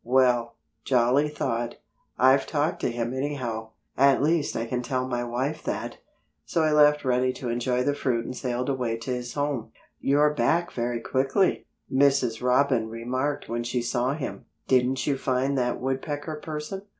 "Well," Jolly thought, "I've talked to him anyhow. At least I can tell my wife that." So he left Reddy to enjoy the fruit and sailed away to his home. "You're back very quickly," Mrs. Robin remarked when she saw him. "Didn't you find that Woodpecker person?"